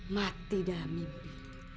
mati dalam mimpi